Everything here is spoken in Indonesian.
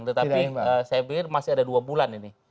tetapi saya pikir masih ada dua bulan ini